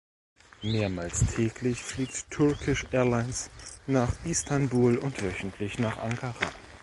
Mehrmals täglich fliegt Turkish Airlines nach Istanbul und wöchentlich nach Ankara.